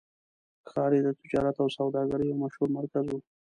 ښار یې د تجارت او سوداګرۍ یو مشهور مرکز و.